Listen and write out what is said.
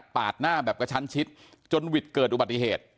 หน้าแบบกระชั้นชิดจนวิทย์เกิดอุบัติเหตุ